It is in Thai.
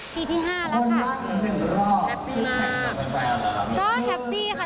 ที่๕แล้วค่ะแฮปปี้มากค่ะค่ะค่ะค่ะค่ะก็แฮปปี้ค่ะ